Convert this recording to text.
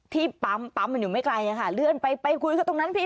ที่ปั้มตามไม่ไกลจะค่ะเลื่อนไปไปคุยกับตรงนั้นพี่